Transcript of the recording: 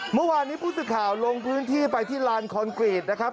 เมื่อวานนี้ผู้สื่อข่าวลงพื้นที่ไปที่ลานคอนกรีตนะครับ